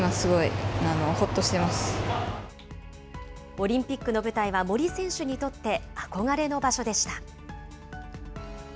オリンピックの舞台は森選手にとって憧れの場所でした。